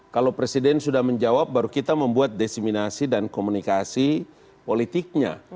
kalau presiden sudah menjawab baru kita membuat desiminasi dan komunikasi politiknya